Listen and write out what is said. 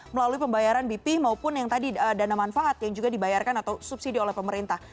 melalui pembayaran bp maupun yang tadi dana manfaat yang juga dibayarkan atau subsidi oleh pemerintah